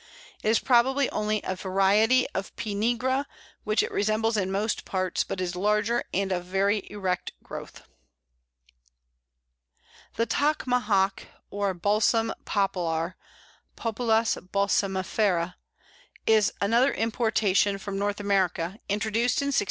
It is probably only a variety of P. nigra, which it resembles in most points, but is larger, and of very erect growth. The Tacamahac or Balsam Poplar (Populus balsamifera) is another importation from North America, introduced in 1692.